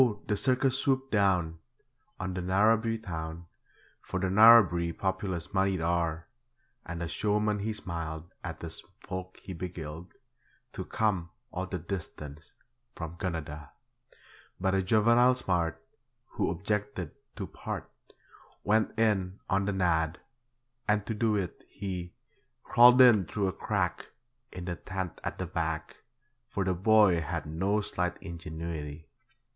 the circus swooped down On the Narrabri town, For the Narrabri populace moneyed are; And the showman he smiled At the folk he beguiled To come all the distance from Gunnedah. But a juvenile smart, Who objected to 'part', Went in 'on the nod', and to do it he Crawled in through a crack In the tent at the back, For the boy had no slight ingenuity.